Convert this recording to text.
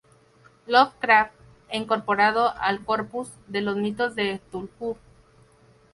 Lovecraft e incorporado al "corpus" de los Mitos de Cthulhu.